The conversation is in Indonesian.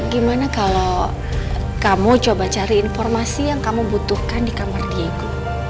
gimana kalau kamu coba cari informasi yang kamu butuhkan di kamar diego